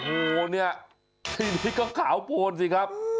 โหนี่ทีนี้ก็ขาวโพนสิครับ